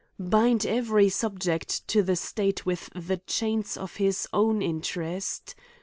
Bind every subject to the state with the chains of his own interest.